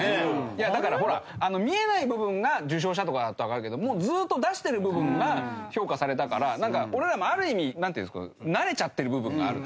いやだからほら見えない部分が受賞したとかだったらわかるけどもうずっと出してる部分が評価されたからなんか俺らもある意味なんていうんですか慣れちゃってる部分がある。